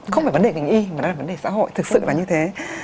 không phải vấn đề ngành y mà nó là vấn đề xã hội thực sự là như thế